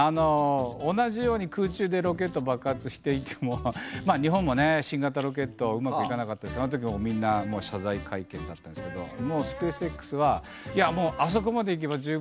同じように空中でロケット爆発していても日本もね新型ロケットうまくいかなかったですけどあのときみんな謝罪会見になったんですけどもうスペースＸは「いやもうあそこまで行けば十分だ」と。